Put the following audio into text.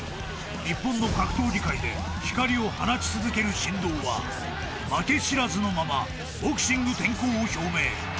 ［日本の格闘技界で光を放ち続ける神童は負け知らずのままボクシング転向を表明］